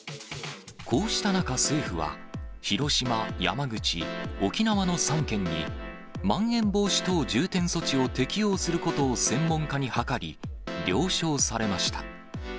こうした中、政府は、広島、山口、沖縄の３県に、まん延防止等重点措置を適用することを専門家に諮り、了承されました。